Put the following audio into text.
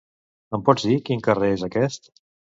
Em pots dir quin carrer es aquest?